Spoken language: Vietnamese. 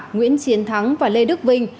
nguyễn chiến thắng và lê đức vinh